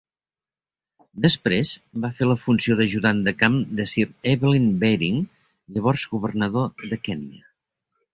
Després va fer la funció d'ajudant de camp de Sir Evelyn Baring, llavors governador de Kènia.